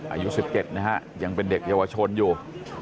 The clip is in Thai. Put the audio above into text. อายุ๑๗นะฮะยังเป็นเด็กเยาวชนอยู่